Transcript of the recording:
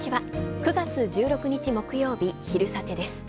９月１６日、木曜日「昼サテ」です。